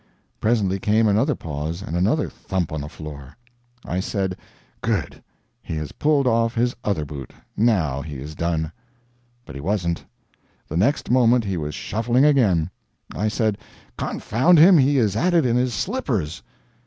Presently came another pause and another thump on the floor. I said "Good, he has pulled off his other boot NOW he is done." But he wasn't. The next moment he was shuffling again. I said, "Confound him, he is at it in his slippers!"